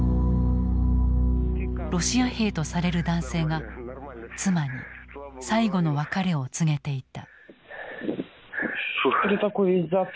ロシア兵とされる男性が妻に最期の別れを告げていた。